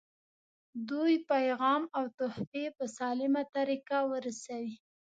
دوی پیغام او تحفې په سالمه طریقه ورسوي.